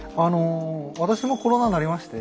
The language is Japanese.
私もコロナなりまして。